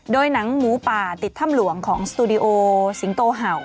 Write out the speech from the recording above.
โดยหนังหมูป่าติดถ้ำหลวงของสตูดิโอสิงโตเห่า